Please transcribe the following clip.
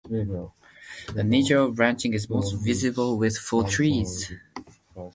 The nature of branching is most visible with full trees.